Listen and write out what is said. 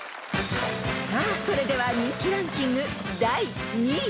［さあそれでは人気ランキング第２位］